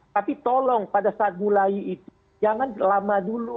tapi tolong pada saat mulai itu jangan lama dulu